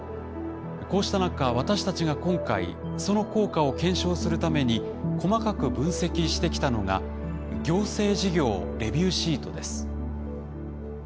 こうした中私たちが今回その効果を検証するために細かく分析してきたのが行政事業レビューシートです。